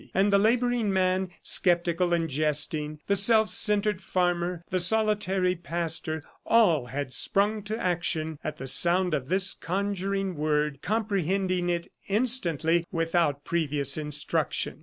And the laboring man, skeptical and jesting, the self centred farmer, the solitary pastor, all had sprung to action at the sound of this conjuring word, comprehending it instantly, without previous instruction.